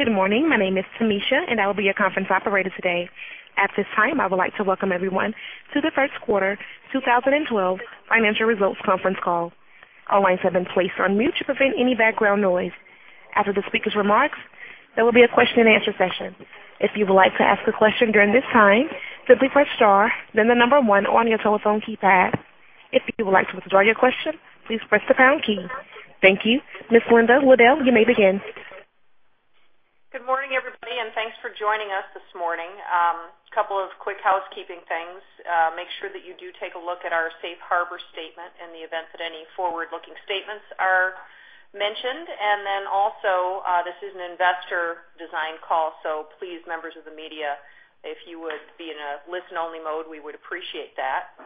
Good morning. My name is Tamisha, and I will be your conference operator today. At this time, I would like to welcome everyone to the first quarter 2012 financial results conference call. All lines have been placed on mute to prevent any background noise. After the speaker's remarks, there will be a question-and-answer session. If you would like to ask a question during this time, simply press star then the number one on your telephone keypad. If you would like to withdraw your question, please press the pound key. Thank you. Ms. Lynn Liddle, you may begin. Good morning, everybody, thanks for joining us this morning. A couple of quick housekeeping things. Make sure that you do take a look at our safe harbor statement in the event that any forward-looking statements are mentioned. Also, this is an investor-designed call, please, members of the media, if you would be in a listen-only mode, we would appreciate that.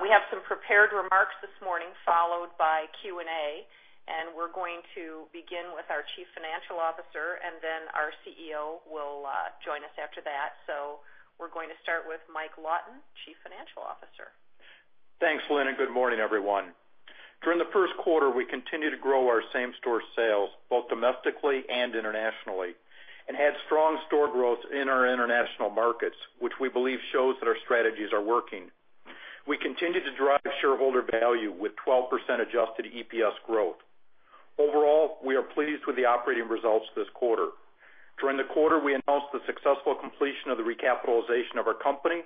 We have some prepared remarks this morning, followed by Q&A. We're going to begin with our Chief Financial Officer, then our CEO will join us after that. We're going to start with Michael Lawton, Chief Financial Officer. Thanks, Lynn. Good morning, everyone. During the first quarter, we continued to grow our same-store sales both domestically and internationally and had strong store growth in our international markets, which we believe shows that our strategies are working. We continued to drive shareholder value with 12% adjusted EPS growth. Overall, we are pleased with the operating results this quarter. During the quarter, we announced the successful completion of the recapitalization of our company.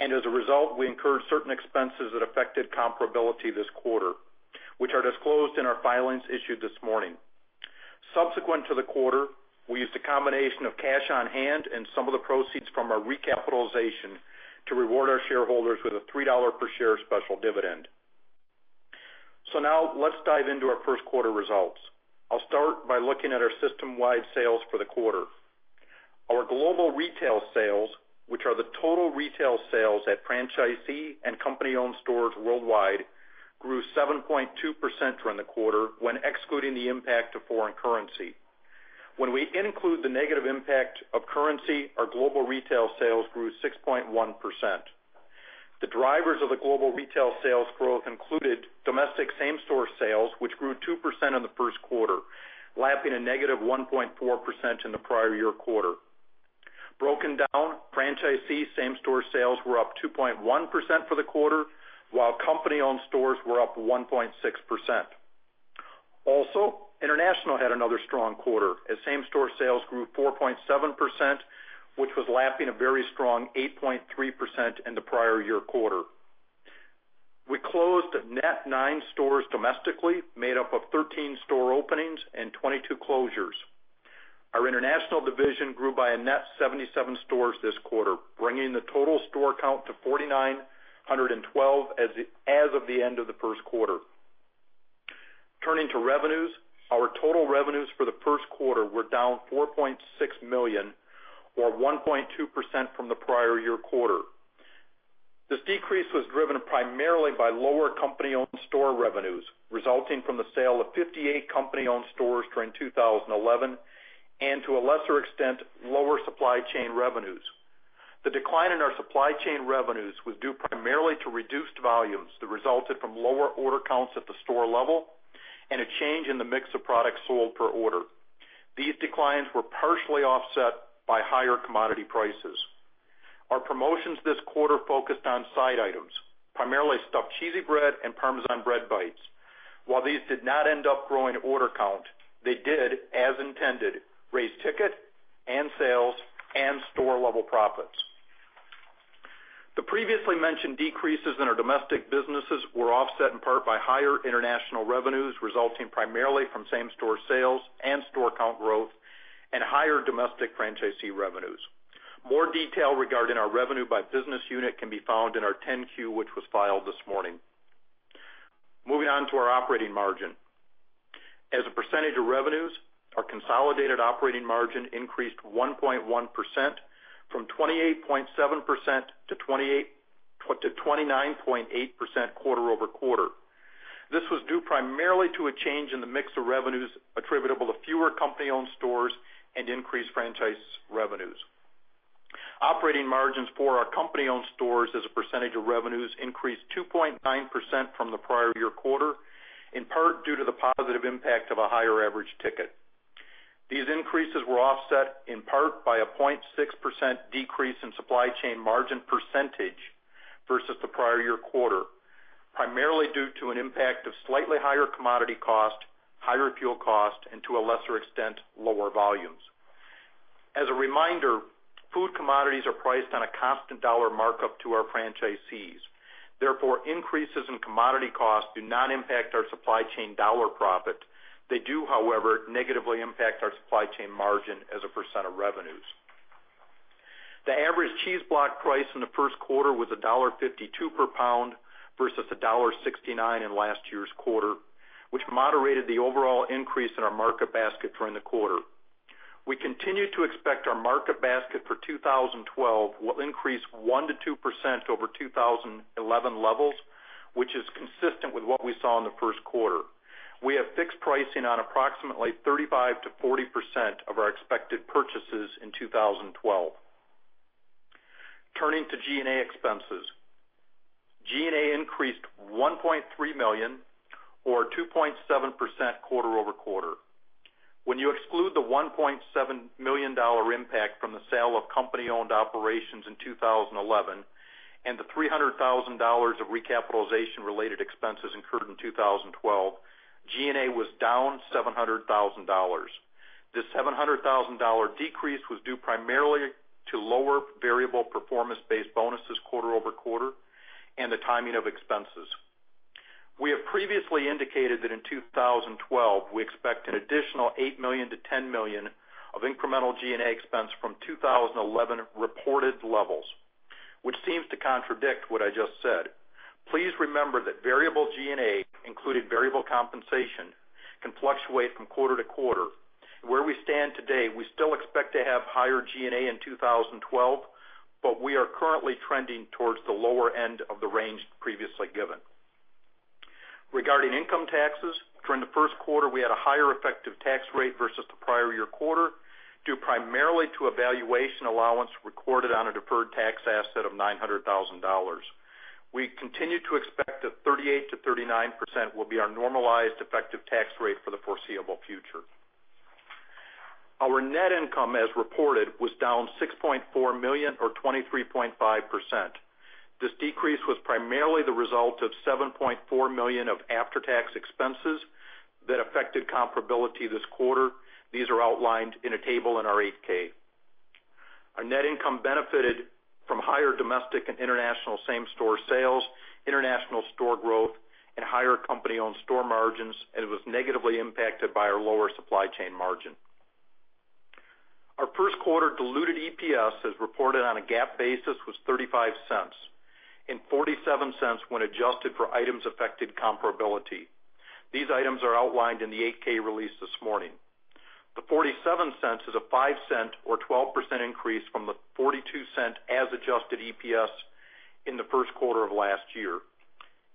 As a result, we incurred certain expenses that affected comparability this quarter, which are disclosed in our filings issued this morning. Subsequent to the quarter, we used a combination of cash on hand and some of the proceeds from our recapitalization to reward our shareholders with a $3 per share special dividend. Now let's dive into our first quarter results. I'll start by looking at our system-wide sales for the quarter. Our global retail sales, which are the total retail sales at franchisee and company-owned stores worldwide, grew 7.2% during the quarter when excluding the impact of foreign currency. When we include the negative impact of currency, our global retail sales grew 6.1%. The drivers of the global retail sales growth included domestic same-store sales, which grew 2% in the first quarter, lapping a negative 1.4% in the prior year quarter. Broken down, franchisee same-store sales were up 2.1% for the quarter, while company-owned stores were up 1.6%. Also, international had another strong quarter as same-store sales grew 4.7%, which was lapping a very strong 8.3% in the prior year quarter. We closed net nine stores domestically, made up of 13 store openings and 22 closures. Our international division grew by a net 77 stores this quarter, bringing the total store count to 4,912 as of the end of the first quarter. Turning to revenues, our total revenues for the first quarter were down $4.6 million or 1.2% from the prior year quarter. This decrease was driven primarily by lower company-owned store revenues resulting from the sale of 58 company-owned stores during 2011, and to a lesser extent, lower supply chain revenues. The decline in our supply chain revenues was due primarily to reduced volumes that resulted from lower order counts at the store level and a change in the mix of products sold per order. These declines were partially offset by higher commodity prices. Our promotions this quarter focused on side items, primarily Stuffed Cheesy Bread and Parmesan Bread Bites. While these did not end up growing order count, they did as intended, raise ticket and sales and store-level profits. The previously mentioned decreases in our domestic businesses were offset in part by higher international revenues, resulting primarily from same-store sales and store count growth and higher domestic franchisee revenues. More detail regarding our revenue by business unit can be found in our 10-Q, which was filed this morning. Moving on to our operating margin. As a percentage of revenues, our consolidated operating margin increased 1.1% from 28.7% to 29.8% quarter-over-quarter. This was due primarily to a change in the mix of revenues attributable to fewer company-owned stores and increased franchise revenues. Operating margins for our company-owned stores as a percentage of revenues increased 2.9% from the prior year quarter, in part due to the positive impact of a higher average ticket. These increases were offset in part by a 0.6% decrease in supply chain margin percentage versus the prior year quarter, primarily due to an impact of slightly higher commodity cost, higher fuel cost, and to a lesser extent, lower volumes. As a reminder, food commodities are priced on a constant dollar markup to our franchisees. Therefore, increases in commodity costs do not impact our supply chain dollar profit. They do, however, negatively impact our supply chain margin as a percent of revenues. The average cheese block price in the first quarter was $1.52 per pound versus $1.69 in last year's quarter, which moderated the overall increase in our market basket during the quarter. We continue to expect our market basket for 2012 will increase 1%-2% over 2011 levels, which is consistent with what we saw in the first quarter. We have fixed pricing on approximately 35%-40% of our expected purchases in 2012. Turning to G&A expenses. G&A increased $1.3 million, or 2.7% quarter-over-quarter. When you exclude the $1.7 million impact from the sale of company-owned operations in 2011 and the $300,000 of recapitalization-related expenses incurred in 2012, G&A was down $700,000. This $700,000 decrease was due primarily to lower variable performance-based bonuses quarter-over-quarter and the timing of expenses. We have previously indicated that in 2012, we expect an additional $8 million-$10 million of incremental G&A expense from 2011 reported levels, which seems to contradict what I just said. Please remember that variable G&A, including variable compensation, can fluctuate from quarter-to-quarter. Where we stand today, we still expect to have higher G&A in 2012, but we are currently trending towards the lower end of the range previously given. Regarding income taxes, during the first quarter, we had a higher effective tax rate versus the prior year quarter due primarily to a valuation allowance recorded on a deferred tax asset of $900,000. We continue to expect that 38%-39% will be our normalized effective tax rate for the foreseeable future. Our net income, as reported, was down $6.4 million or 23.5%. This decrease was primarily the result of $7.4 million of after-tax expenses that affected comparability this quarter. These are outlined in a table in our 8-K. Our net income benefited from higher domestic and international same-store sales, international store growth, and higher company-owned store margins, and it was negatively impacted by our lower supply chain margin. Our first quarter diluted EPS, as reported on a GAAP basis, was $0.35 and $0.47 when adjusted for items affected comparability. These items are outlined in the 8-K release this morning. The $0.47 is a $0.05 or 12% increase from the $0.42 as adjusted EPS in the first quarter of last year.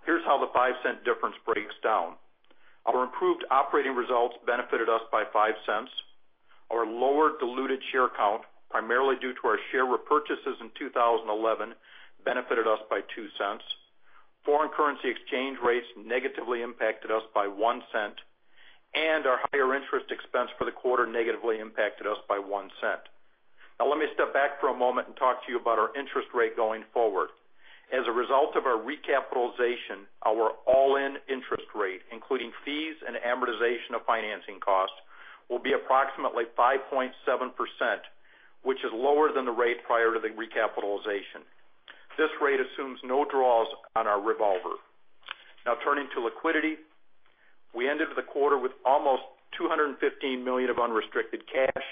Here's how the $0.05 difference breaks down. Our improved operating results benefited us by $0.05. Our lower diluted share count, primarily due to our share repurchases in 2011, benefited us by $0.02. Foreign currency exchange rates negatively impacted us by $0.01, and our higher interest expense for the quarter negatively impacted us by $0.01. Let me step back for a moment and talk to you about our interest rate going forward. As a result of our recapitalization, our all-in interest rate, including fees and amortization of financing costs, will be approximately 5.7%, which is lower than the rate prior to the recapitalization. This rate assumes no draws on our revolver. Turning to liquidity. We ended the quarter with almost $215 million of unrestricted cash,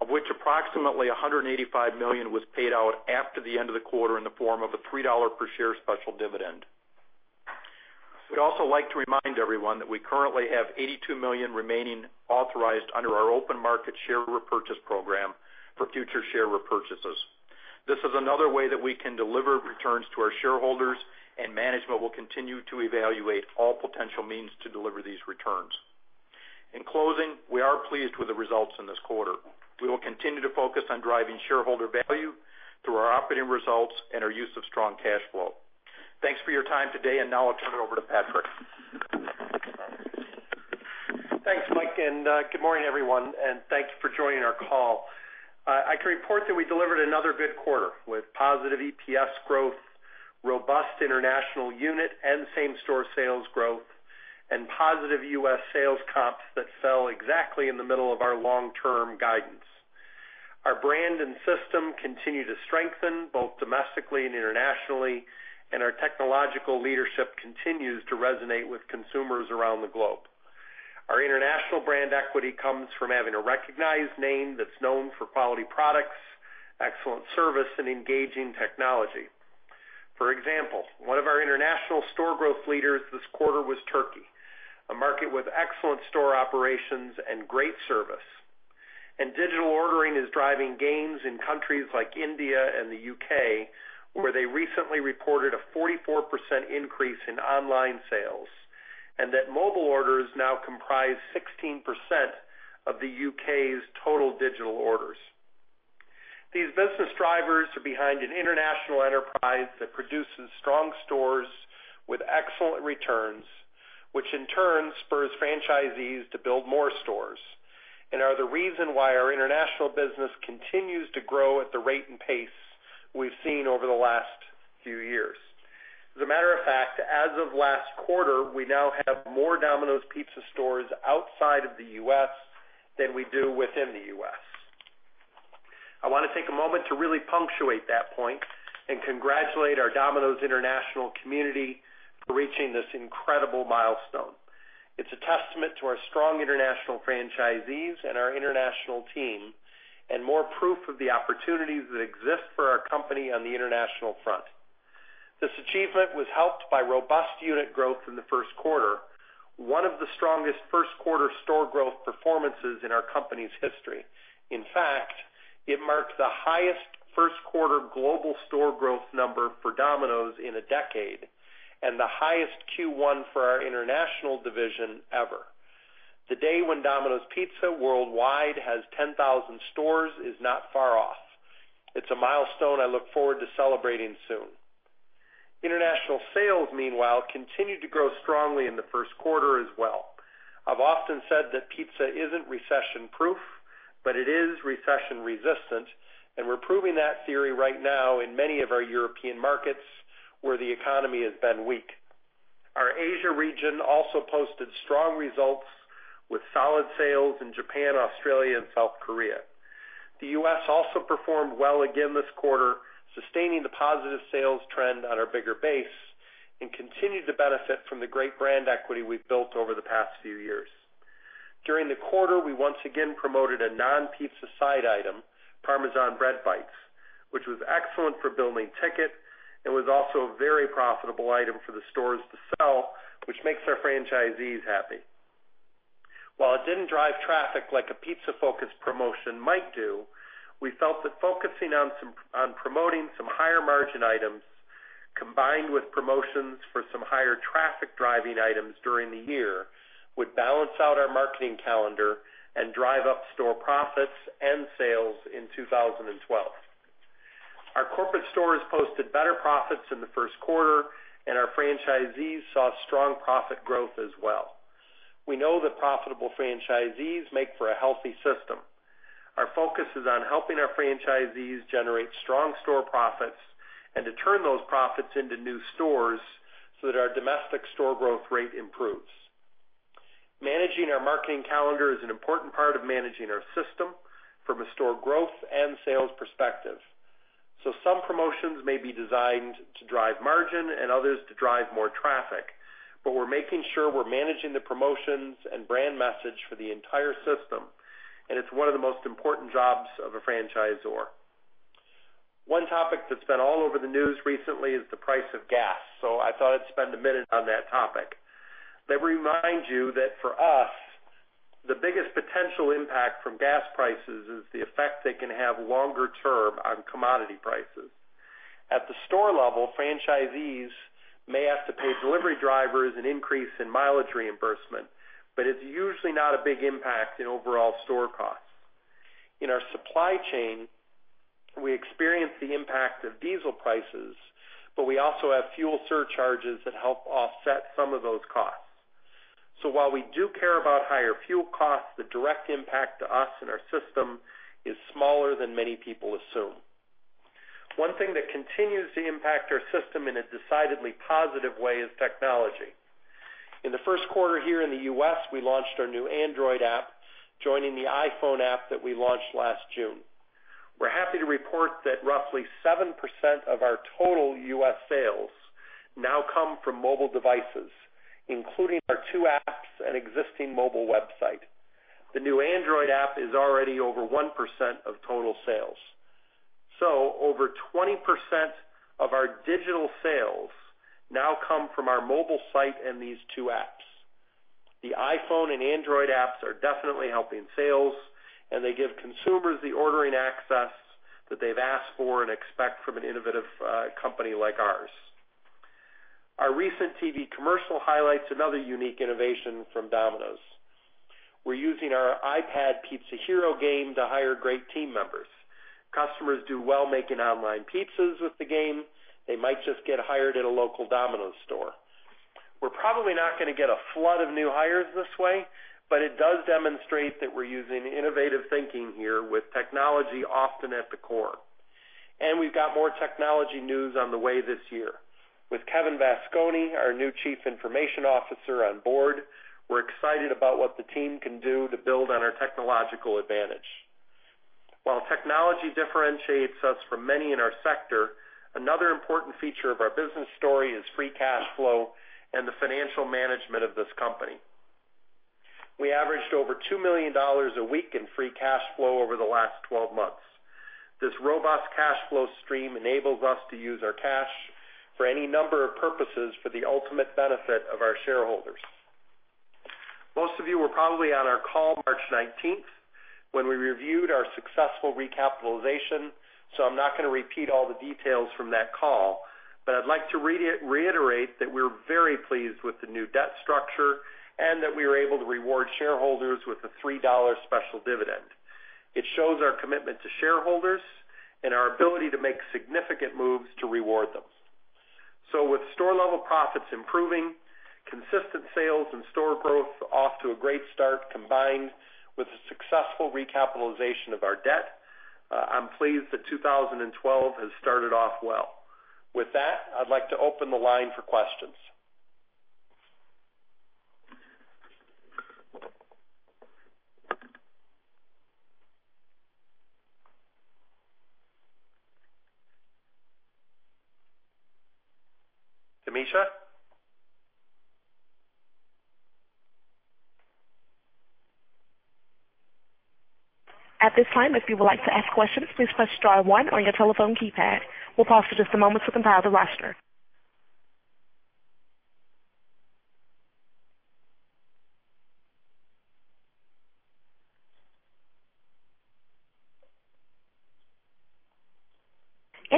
of which approximately $185 million was paid out after the end of the quarter in the form of a $3 per share special dividend. We'd also like to remind everyone that we currently have $82 million remaining authorized under our open market share repurchase program for future share repurchases. This is another way that we can deliver returns to our shareholders, and management will continue to evaluate all potential means to deliver these returns. In closing, we are pleased with the results in this quarter. We will continue to focus on driving shareholder value through our operating results and our use of strong cash flow. Thanks for your time today. Now I'll turn it over to Patrick. Thanks, Mike. Good morning, everyone, and thanks for joining our call. I can report that we delivered another good quarter with positive EPS growth, robust international unit and same-store sales growth, and positive U.S. sales comps that fell exactly in the middle of our long-term guidance. Our brand and system continue to strengthen, both domestically and internationally, and our technological leadership continues to resonate with consumers around the globe. Our international brand equity comes from having a recognized name that's known for quality products, excellent service, and engaging technology. For example, one of our international store growth leaders this quarter was Turkey, a market with excellent store operations and great service. Digital ordering is driving gains in countries like India and the U.K., where they recently reported a 44% increase in online sales, and that mobile orders now comprise 16% of the U.K.'s total digital orders. These business drivers are behind an international enterprise that produces strong stores with excellent returns, which in turn spurs franchisees to build more stores and are the reason why our international business continues to grow at the rate and pace we've seen over the last few years. As a matter of fact, as of last quarter, we now have more Domino's Pizza stores outside of the U.S. than we do within the U.S. I want to take a moment to really punctuate that point and congratulate our Domino's international community for reaching this incredible milestone. It's a testament to our strong international franchisees and our international team and more proof of the opportunities that exist for our company on the international front. This achievement was helped by robust unit growth in the first quarter, one of the strongest first quarter store growth performances in our company's history. It marked the highest first quarter global store growth number for Domino's in a decade and the highest Q1 for our international division ever. The day when Domino's Pizza worldwide has 10,000 stores is not far off. It's a milestone I look forward to celebrating soon. International sales, meanwhile, continued to grow strongly in the first quarter as well. I've often said that pizza isn't recession-proof, but it is recession-resistant, and we're proving that theory right now in many of our European markets where the economy has been weak. Our Asia region also posted strong results with solid sales in Japan, Australia, and South Korea. The U.S. also performed well again this quarter, sustaining the positive sales trend on our bigger base, and continued to benefit from the great brand equity we've built over the past few years. During the quarter, we once again promoted a non-pizza side item, Parmesan Bread Bites, which was excellent for building ticket and was also a very profitable item for the stores to sell, which makes our franchisees happy. While it didn't drive traffic like a pizza-focused promotion might do, we felt that focusing on promoting some higher-margin items, combined with promotions for some higher traffic-driving items during the year, would balance out our marketing calendar and drive up store profits and sales in 2012. Our corporate stores posted better profits in the first quarter, and our franchisees saw strong profit growth as well. We know that profitable franchisees make for a healthy system. Our focus is on helping our franchisees generate strong store profits and to turn those profits into new stores so that our domestic store growth rate improves. Managing our marketing calendar is an important part of managing our system from a store growth and sales perspective. Some promotions may be designed to drive margin and others to drive more traffic. We're making sure we're managing the promotions and brand message for the entire system, and it's one of the most important jobs of a franchisor. One topic that's been all over the news recently is the price of gas. I thought I'd spend a minute on that topic. Let me remind you that for us, the biggest potential impact from gas prices is the effect they can have longer term on commodity prices. At the store level, franchisees may have to pay delivery drivers an increase in mileage reimbursement, but it's usually not a big impact in overall store costs. In our supply chain, we experience the impact of diesel prices. We also have fuel surcharges that help offset some of those costs. While we do care about higher fuel costs, the direct impact to us and our system is smaller than many people assume. One thing that continues to impact our system in a decidedly positive way is technology. In the first quarter here in the U.S., we launched our new Android app, joining the iPhone app that we launched last June. We're happy to report that roughly 7% of our total U.S. sales now come from mobile devices, including our two apps and existing mobile website. The new Android app is already over 1% of total sales. Over 20% of our digital sales now come from our mobile site and these two apps. The iPhone and Android apps are definitely helping sales. They give consumers the ordering access that they've asked for and expect from an innovative company like ours. Our recent TV commercial highlights another unique innovation from Domino's. We're using our iPad Pizza Hero game to hire great team members. Customers do well making online pizzas with the game. They might just get hired at a local Domino's store. We're probably not going to get a flood of new hires this way. It does demonstrate that we're using innovative thinking here with technology often at the core. We've got more technology news on the way this year. With Kevin Vasconi, our new Chief Information Officer on board, we're excited about what the team can do to build on our technological advantage. While technology differentiates us from many in our sector, another important feature of our business story is free cash flow and the financial management of this company. We averaged over $2 million a week in free cash flow over the last 12 months. This robust cash flow stream enables us to use our cash for any number of purposes for the ultimate benefit of our shareholders. Most of you were probably on our call March 19th when we reviewed our successful recapitalization. I'm not going to repeat all the details from that call, but I'd like to reiterate that we're very pleased with the new debt structure and that we were able to reward shareholders with a $3 special dividend. It shows our commitment to shareholders and our ability to make significant moves to reward them. With store-level profits improving, consistent sales and store growth off to a great start, combined with the successful recapitalization of our debt, I'm pleased that 2012 has started off well. With that, I'd like to open the line for questions. Tamisha? At this time, if you would like to ask questions, please press star one on your telephone keypad. We'll pause for just a moment to compile the roster.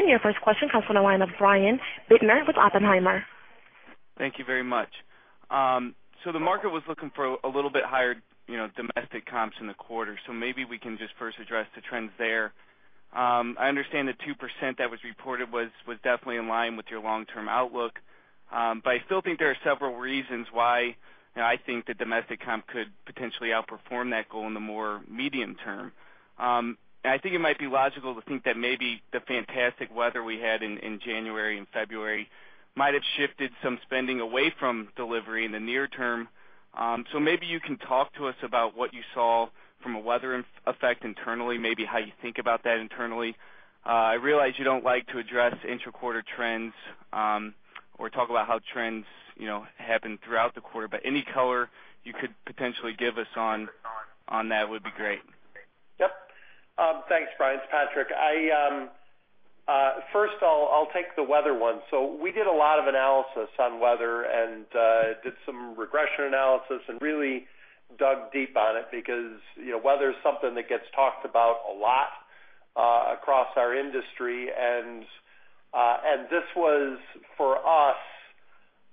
Your first question comes from the line of Brian Bittner with Oppenheimer. Thank you very much. The market was looking for a little bit higher domestic comps in the quarter. Maybe we can just first address the trends there. I understand the 2% that was reported was definitely in line with your long-term outlook. I still think there are several reasons why I think the domestic comp could potentially outperform that goal in the more medium term. I think it might be logical to think that maybe the fantastic weather we had in January and February might have shifted some spending away from delivery in the near term. Maybe you can talk to us about what you saw from a weather effect internally, maybe how you think about that internally. I realize you don't like to address intra-quarter trends, or talk about how trends happen throughout the quarter, any color you could potentially give us on that would be great. Yep. Thanks, Brian. It's Patrick. First, I'll take the weather one. We did a lot of analysis on weather and did some regression analysis and really dug deep on it because weather is something that gets talked about a lot across our industry, and this was for us,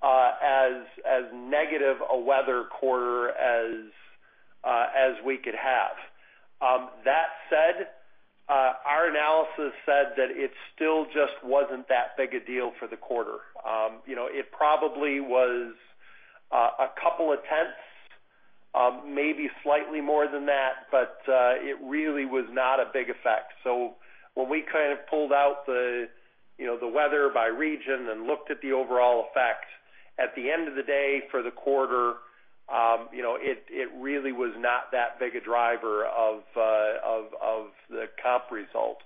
as negative a weather quarter as we could have. That said, our analysis said that it still just wasn't that big a deal for the quarter. It probably was a couple of tenths, maybe slightly more than that, but it really was not a big effect. When we kind of pulled out the weather by region and looked at the overall effect, at the end of the day for the quarter, it really was not that big a driver of the comp result.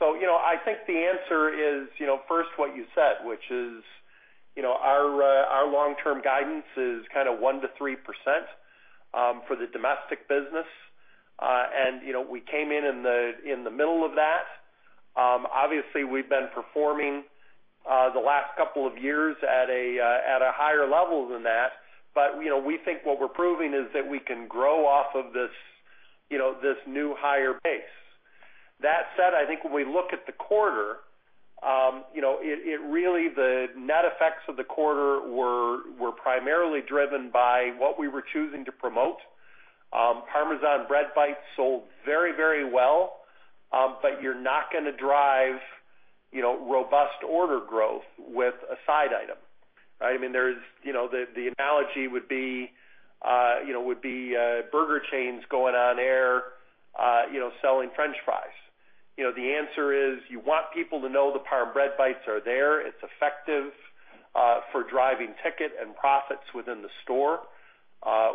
I think the answer is first what you said, which is our long-term guidance is kind of 1%-3% for the domestic business. We came in in the middle of that. Obviously, we've been performing the last couple of years at a higher level than that. We think what we're proving is that we can grow off of this new higher base. That said, I think when we look at the quarter, really, the net effects of the quarter were primarily driven by what we were choosing to promote. Parmesan Bread Bites sold very well, but you're not going to drive robust order growth with a side item, right? The analogy would be burger chains going on air selling French fries. The answer is you want people to know the Parm Bread Bites are there. It's effective for driving ticket and profits within the store,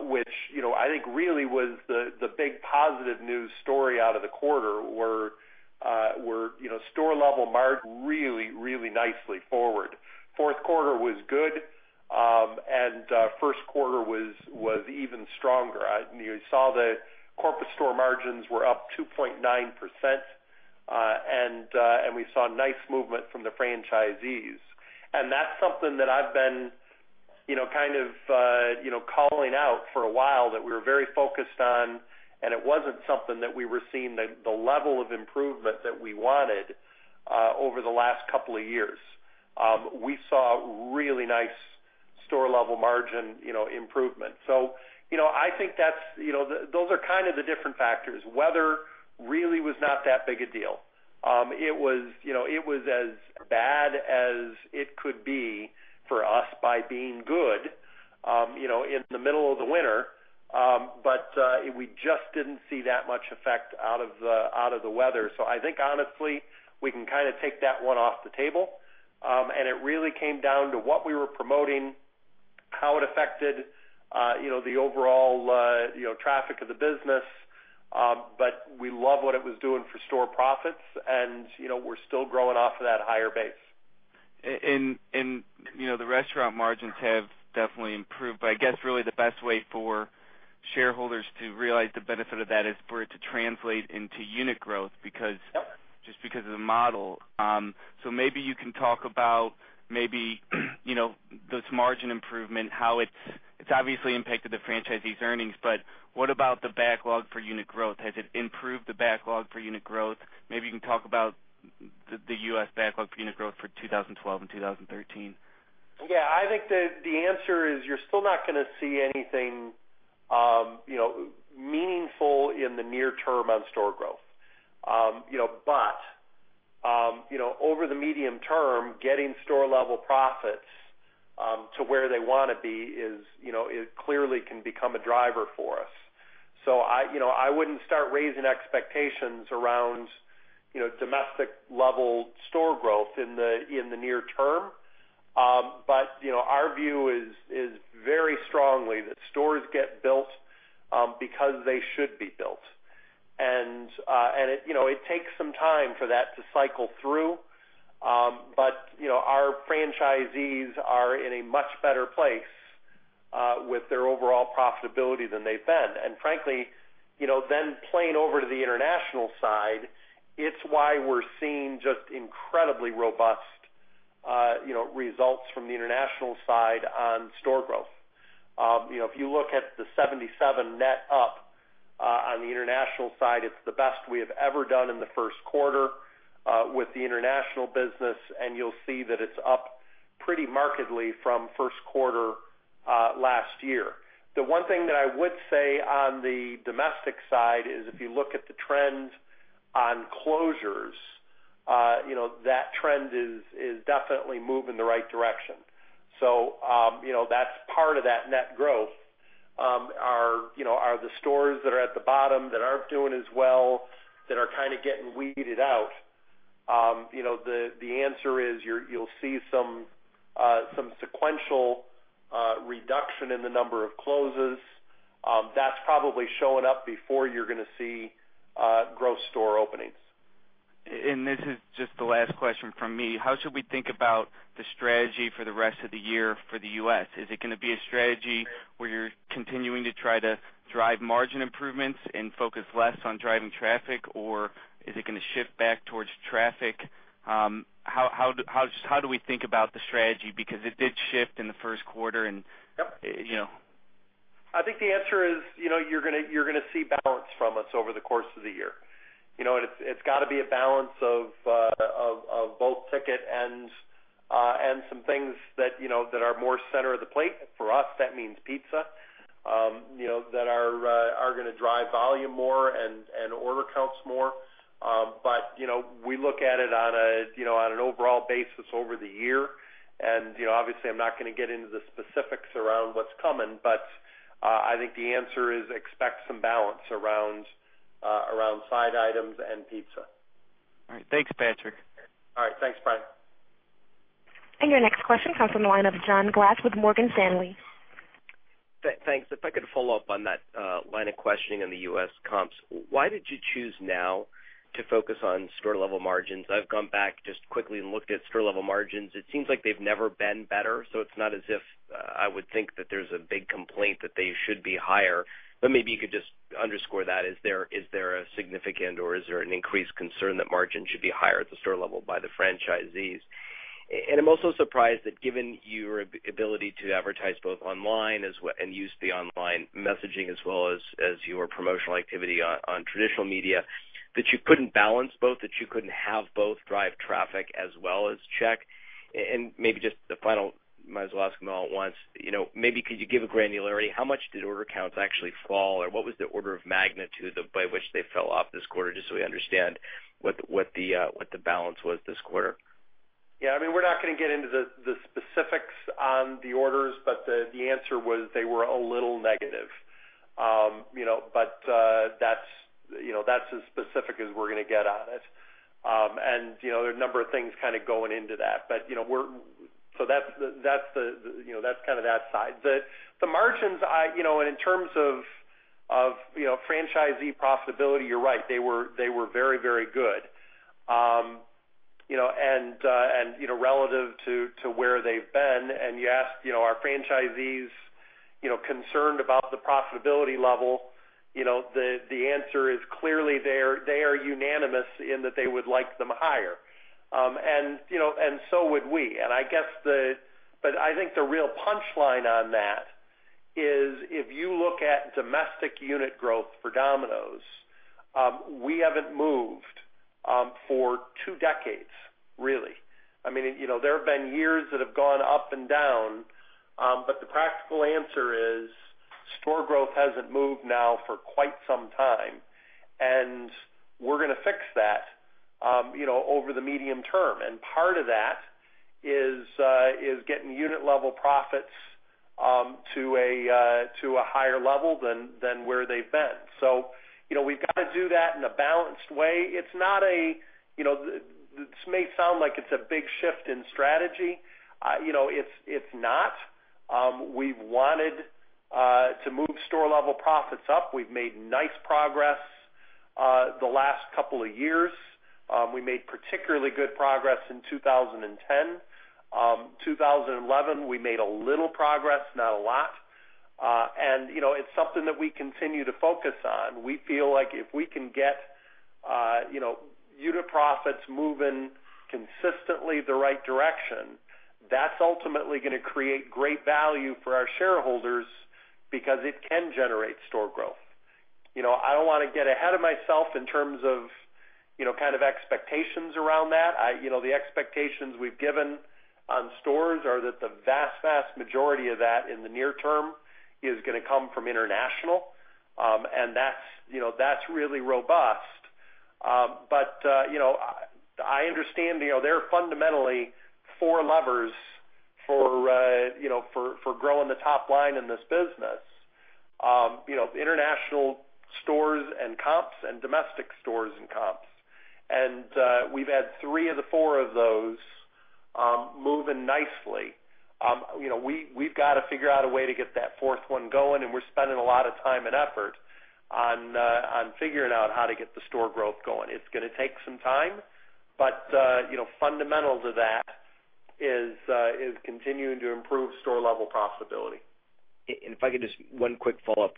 which I think really was the big positive news story out of the quarter were store-level margin really nicely forward. fourth quarter was good, first quarter was even stronger. You saw the corporate store margins were up 2.9%, we saw nice movement from the franchisees. That's something that I've been kind of calling out for a while, that we were very focused on, and it wasn't something that we were seeing the level of improvement that we wanted over the last couple of years. We saw really nice store-level margin improvement. I think those are kind of the different factors. Weather really was not that big a deal. It was as bad as it could be for us by being good in the middle of the winter. We just didn't see that much effect out of the weather. I think, honestly, we can kind of take that one off the table, it really came down to what we were promoting, how it affected the overall traffic of the business. We love what it was doing for store profits, we're still growing off of that higher base. The restaurant margins have definitely improved, I guess really the best way for shareholders to realize the benefit of that is for it to translate into unit growth. Yep just because of the model. Maybe you can talk about maybe this margin improvement, how it's obviously impacted the franchisees' earnings, but what about the backlog for unit growth? Has it improved the backlog for unit growth? Maybe you can talk about the U.S. backlog for unit growth for 2012 and 2013. Yeah, I think the answer is you're still not going to see anything meaningful in the near term on store growth. Over the medium term, getting store level profits to where they want to be, it clearly can become a driver for us. I wouldn't start raising expectations around domestic level store growth in the near term. Our view is very strongly that stores get built because they should be built. It takes some time for that to cycle through. Our franchisees are in a much better place with their overall profitability than they've been. Frankly, playing over to the international side, it's why we're seeing just incredibly robust results from the international side on store growth. If you look at the 77 net up on the international side, it's the best we have ever done in the first quarter with the international business, you'll see that it's up pretty markedly from first quarter last year. The one thing that I would say on the domestic side is if you look at the trend on closures, that trend is definitely moving in the right direction. That's part of that net growth, are the stores that are at the bottom that aren't doing as well, that are kind of getting weeded out. The answer is you'll see some sequential reduction in the number of closes. That's probably showing up before you're going to see gross store openings. This is just the last question from me. How should we think about the strategy for the rest of the year for the U.S.? Is it going to be a strategy where you're continuing to try to drive margin improvements and focus less on driving traffic, or is it going to shift back towards traffic? How do we think about the strategy? Because it did shift in the first quarter. Yep You know. I think the answer is you're going to see balance from us over the course of the year. It's got to be a balance of both ticket and some things that are more center of the plate. For us, that means pizza, that are going to drive volume more and order counts more. We look at it on an overall basis over the year, and obviously I'm not going to get into the specifics around what's coming. I think the answer is expect some balance around side items and pizza. All right. Thanks, Patrick. All right. Thanks, Brian. Your next question comes from the line of John Glass with Morgan Stanley. Thanks. If I could follow up on that line of questioning in the U.S. comps. Why did you choose now to focus on store-level margins? I've gone back just quickly and looked at store-level margins. It seems like they've never been better, so it's not as if I would think that there's a big complaint that they should be higher. Maybe you could just underscore that. Is there a significant, or is there an increased concern that margins should be higher at the store level by the franchisees? I'm also surprised that given your ability to advertise both online and use the online messaging as well as your promotional activity on traditional media, that you couldn't balance both, that you couldn't have both drive traffic as well as check. Maybe just the final, might as well ask them all at once. Maybe could you give a granularity? How much did order counts actually fall? What was the order of magnitude by which they fell off this quarter, just so we understand what the balance was this quarter? Yeah, we're not going to get into the specifics on the orders, but the answer was they were a little negative. That's as specific as we're going to get on it. There are a number of things kind of going into that. That's kind of that side. The margins, and in terms of franchisee profitability, you're right. They were very good. Relative to where they've been, and you asked, are franchisees concerned about the profitability level? The answer is clearly they are unanimous in that they would like them higher. So would we. I think the real punchline on that is if you look at domestic unit growth for Domino's, we haven't moved for two decades, really. There have been years that have gone up and down. The practical answer is store growth hasn't moved now for quite some time, and we're going to fix that over the medium term. Part of that is getting unit-level profits to a higher level than where they've been. We've got to do that in a balanced way. This may sound like it's a big shift in strategy. It's not. We've wanted to move store-level profits up. We've made nice progress the last couple of years. We made particularly good progress in 2010. 2011, we made a little progress, not a lot. It's something that we continue to focus on. We feel like if we can get unit profits moving consistently the right direction, that's ultimately going to create great value for our shareholders because it can generate store growth. I don't want to get ahead of myself in terms of kind of expectations around that. The expectations we've given on stores are that the vast majority of that in the near term is going to come from international, and that's really robust. I understand there are fundamentally four levers for growing the top line in this business. International stores and comps and domestic stores and comps. We've had three of the four of those moving nicely. We've got to figure out a way to get that fourth one going, and we're spending a lot of time and effort on figuring out how to get the store growth going. It's going to take some time, but fundamental to that is continuing to improve store-level profitability. If I could just one quick follow-up.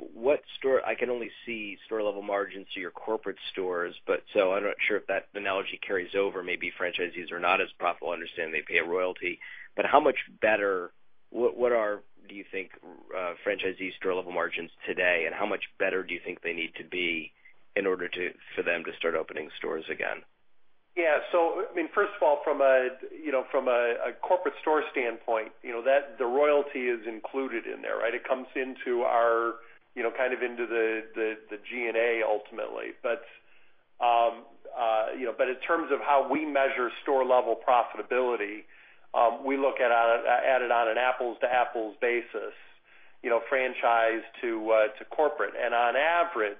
I can only see store-level margins to your corporate stores, so I'm not sure if that analogy carries over. Maybe franchisees are not as profitable. I understand they pay a royalty. How much better, what are, do you think, franchisee store-level margins today, and how much better do you think they need to be in order for them to start opening stores again? First of all, from a corporate store standpoint, the royalty is included in there, right? It comes into the G&A ultimately. In terms of how we measure store-level profitability, we look at it on an apples-to-apples basis, franchise to corporate. On average,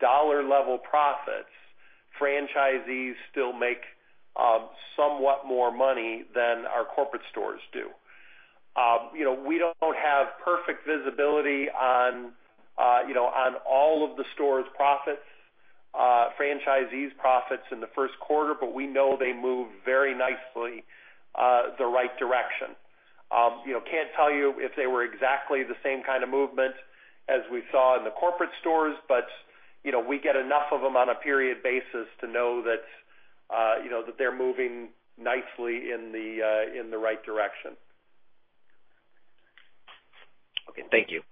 dollar level profits, franchisees still make somewhat more money than our corporate stores do. We don't have perfect visibility on all of the stores' profits, franchisees' profits in the first quarter, but we know they moved very nicely the right direction. Can't tell you if they were exactly the same kind of movement as we saw in the corporate stores, but we get enough of them on a period basis to know that they're moving nicely in the right direction. Okay. Thank you.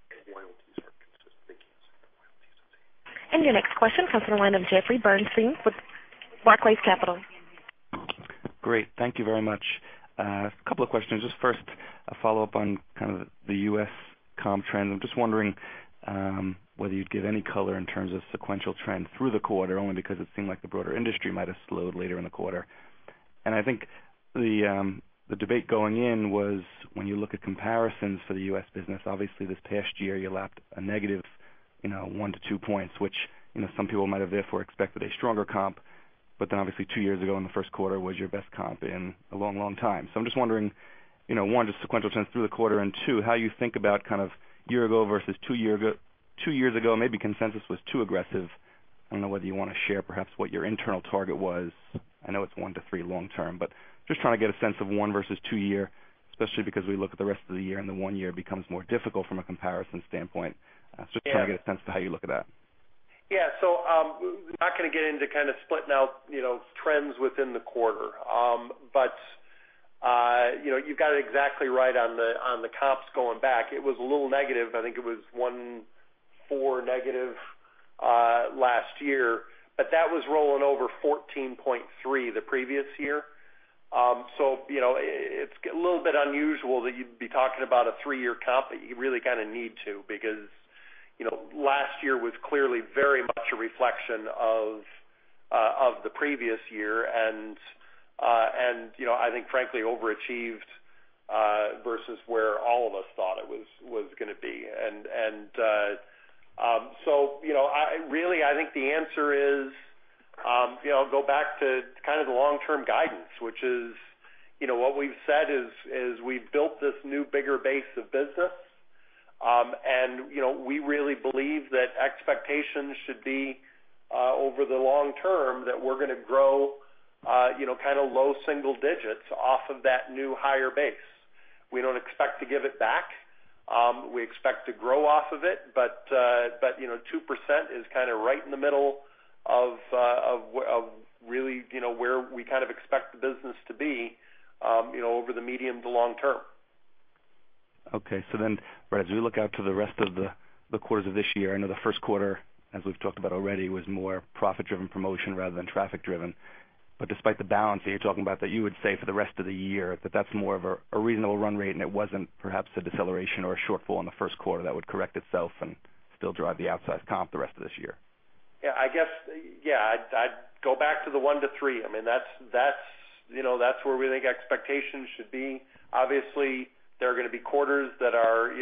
Your next question comes from the line of Jeffrey Bernstein with Barclays Capital. Great. Thank you very much. A couple of questions. Just first, a follow-up on kind of the U.S. comp trend. I'm just wondering whether you'd give any color in terms of sequential trend through the quarter, only because it seemed like the broader industry might have slowed later in the quarter. I think the debate going in was, when you look at comparisons for the U.S. business, obviously this past year, you lapped a negative one to two points, which some people might have therefore expected a stronger comp, then obviously two years ago in the first quarter was your best comp in a long time. I'm just wondering, one, just sequential trends through the quarter and two, how you think about kind of year ago versus two years ago, maybe consensus was too aggressive. I don't know whether you want to share perhaps what your internal target was. I know it's 1-3 long term, just trying to get a sense of one versus two year, especially because we look at the rest of the year and the one year becomes more difficult from a comparison standpoint. Just trying to get a sense of how you look at that. Yeah. I'm not going to get into kind of splitting out trends within the quarter. You got it exactly right on the comps going back. It was a little negative. I think it was 1.4 negative last year. That was rolling over 14.3 the previous year. It's a little bit unusual that you'd be talking about a three-year comp, but you really kind of need to, because last year was clearly very much a reflection of the previous year, and I think frankly, overachieved versus where all of us thought it was going to be. Really, I think the answer is, go back to kind of the long-term guidance, which is, what we've said is we've built this new bigger base of business, and we really believe that expectations should be over the long term, that we're going to grow kind of low single digits off of that new higher base. We don't expect to give it back. We expect to grow off of it, but 2% is kind of right in the middle of really where we kind of expect the business to be over the medium to long term. Okay. Brad, as we look out to the rest of the quarters of this year, I know the first quarter, as we've talked about already, was more profit-driven promotion rather than traffic-driven. Despite the balance that you're talking about, that you would say for the rest of the year, that that's more of a reasonable run rate, and it wasn't perhaps a deceleration or a shortfall in the first quarter that would correct itself and still drive the outsized comp the rest of this year. Yeah, I'd go back to the one to three. That's where we think expectations should be. Obviously, there are going to be quarters that are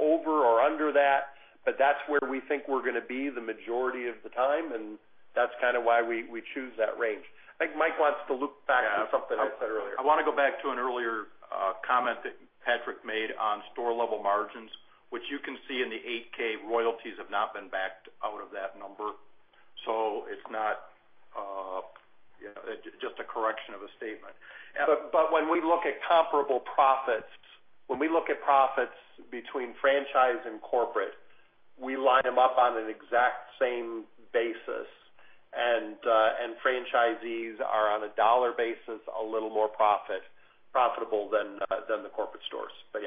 over or under that, but that's where we think we're going to be the majority of the time, and that's kind of why we choose that range. I think Mike wants to loop back to something I said earlier. I want to go back to an earlier comment that Patrick made on store-level margins, which you can see in the 8-K, royalties have not been backed out of that number. Just a correction of a statement. When we look at comparable profits, when we look at profits between franchise and corporate, we line them up on an exact same basis, franchisees are on a dollar basis, a little more profitable than the corporate stores. The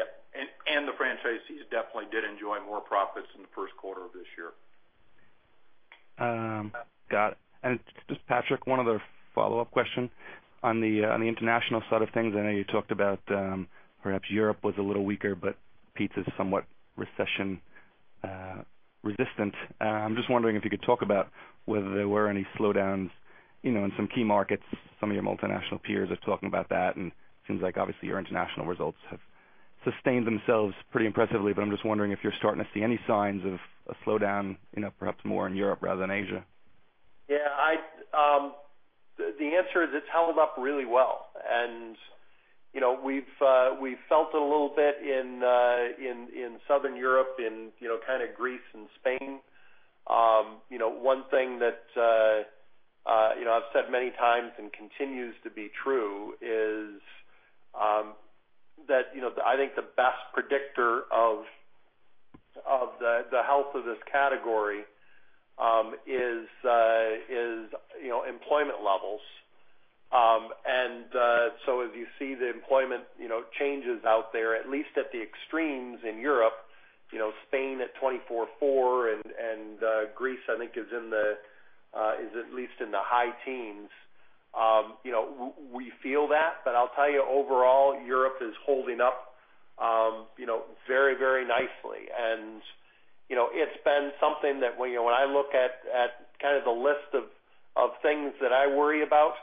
franchisees definitely did enjoy more profits in the first quarter of this year. Got it. Just Patrick, one other follow-up question. On the international side of things, I know you talked about perhaps Europe was a little weaker, pizza's somewhat recession-resistant. I'm just wondering if you could talk about whether there were any slowdowns in some key markets. Some of your multinational peers are talking about that, it seems like obviously your international results have sustained themselves pretty impressively, I'm just wondering if you're starting to see any signs of a slowdown, perhaps more in Europe rather than Asia. Yeah. The answer is it's held up really well. We've felt it a little bit in Southern Europe, in kind of Greece and Spain. One thing that I've said many times, and continues to be true, is that I think the best predictor of the health of this category is employment levels. As you see the employment changes out there, at least at the extremes in Europe, Spain at 24.4%, and Greece I think is at least in the high teens. We feel that, but I'll tell you overall, Europe is holding up very nicely. It's been something that when I look at kind of the list of things that I worry about,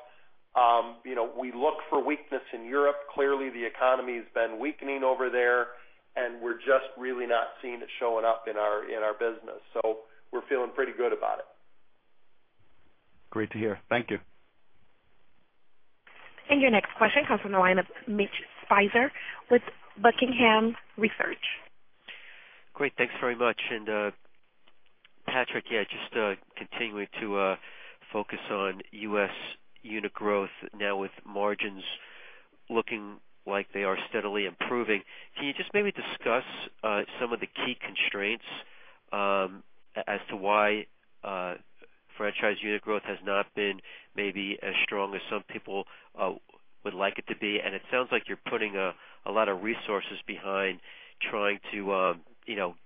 we look for weakness in Europe. Clearly, the economy has been weakening over there, and we're just really not seeing it showing up in our business. We're feeling pretty good about it. Great to hear. Thank you. Your next question comes from the line of Mitch Speiser with Buckingham Research. Great. Thanks very much. Patrick, just continuing to focus on U.S. unit growth now with margins looking like they are steadily improving, can you just maybe discuss some of the key constraints as to why franchise unit growth has not been maybe as strong as some people would like it to be? It sounds like you're putting a lot of resources behind trying to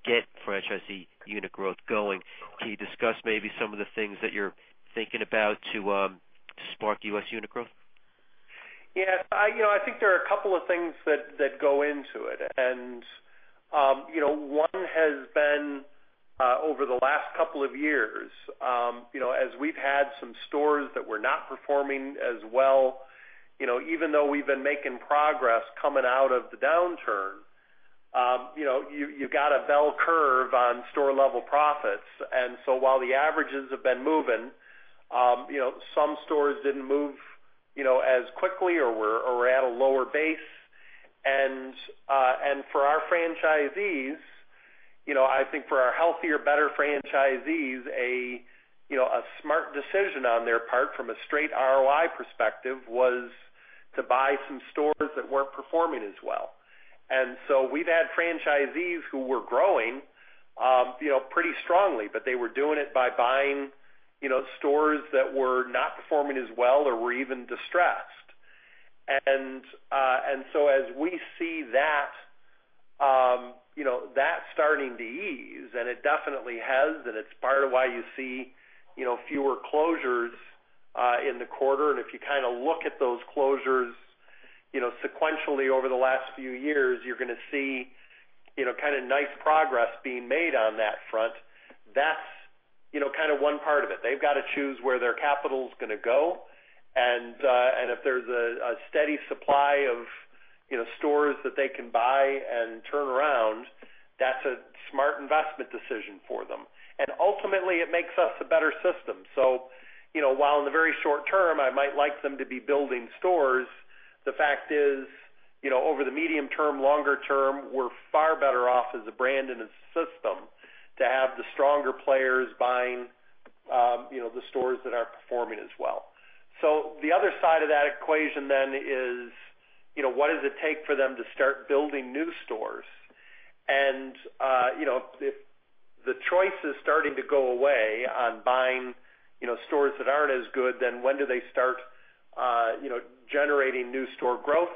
get franchisee unit growth going. Can you discuss maybe some of the things that you're thinking about to spark U.S. unit growth? I think there are a couple of things that go into it. One has been over the last couple of years as we've had some stores that were not performing as well, even though we've been making progress coming out of the downturn, you've got a bell curve on store-level profits. While the averages have been moving, some stores didn't move as quickly or were at a lower base. For our franchisees, I think for our healthier, better franchisees, a smart decision on their part from a straight ROI perspective was to buy some stores that weren't performing as well. We've had franchisees who were growing pretty strongly, but they were doing it by buying stores that were not performing as well or were even distressed. As we see that starting to ease, and it definitely has, and it's part of why you see fewer closures in the quarter, and if you kind of look at those closures sequentially over the last few years, you're going to see kind of nice progress being made on that front. That's kind of one part of it. They've got to choose where their capital's going to go, and if there's a steady supply of stores that they can buy and turn around, that's a smart investment decision for them. Ultimately, it makes us a better system. While in the very short term, I might like them to be building stores, the fact is, over the medium term, longer term, we're far better off as a brand and a system to have the stronger players buying the stores that aren't performing as well. The other side of that equation then is, what does it take for them to start building new stores? If the choice is starting to go away on buying stores that aren't as good, then when do they start generating new store growth?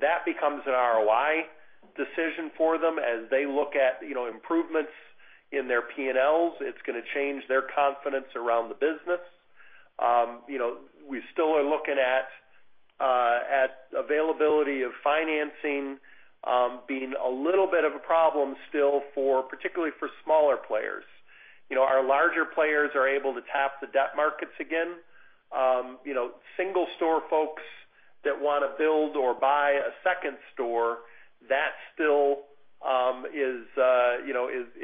That becomes an ROI decision for them as they look at improvements in their P&Ls. It's going to change their confidence around the business. We still are looking at availability of financing being a little bit of a problem still, particularly for smaller players. Our larger players are able to tap the debt markets again. Single store folks that want to build or buy a second store, that still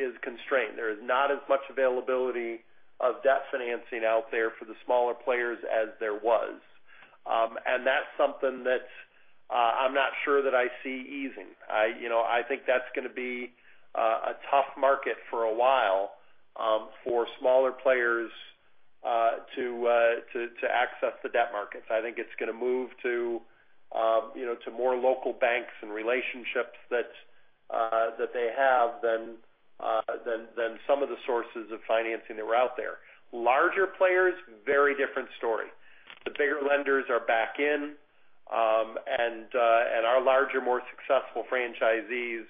is constrained. There is not as much availability of debt financing out there for the smaller players as there was. That's something that I'm not sure that I see easing. I think that's going to be a tough market for a while for smaller players to access the debt markets. I think it's going to move to more local banks and relationships that they have than some of the sources of financing that were out there. Larger players, very different story. Our larger, more successful franchisees